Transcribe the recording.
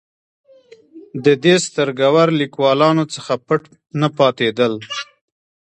د دې سترګور لیکوالانو څخه پټ نه پاتېدل.